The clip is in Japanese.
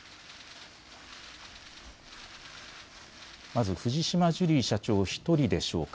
まず藤島ジュリー社長１人でしょうか。